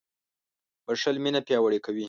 • بښل مینه پیاوړې کوي.